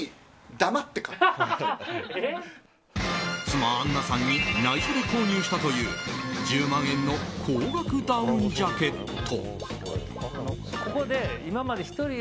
妻あんなさんに内緒で購入したという１０万円の高額ダウンジャケット。